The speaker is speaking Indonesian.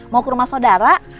mau ke rumah sodara